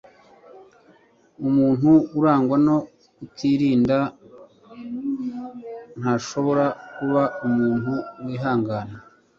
umuntu urangwa no kutirinda ntashobora kuba umuntu wihangana